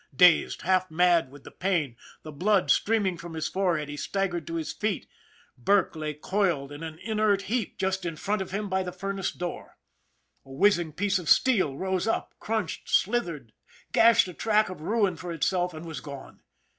Dazed, half mad with the pain, the blood streaming from his forehead, he staggered to his feet. Burke lay coiled in an inert heap just in front of him by the 90 ON THE IRON AT BIG CLOUD furnace door. A whizzing piece of steel rose up, crunched, slithered, gashed a track of ruin for itself, and was gone.